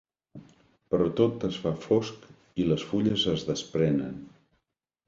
Però tot es fa fosc i les fulles es desprenen.